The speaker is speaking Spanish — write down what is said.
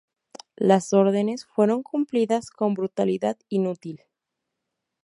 Las órdenes fueron cumplidas con brutalidad inútil.